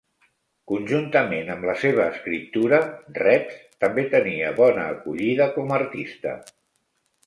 Conjuntament amb la seva escriptura, Reps també tenia bona acollida com artista.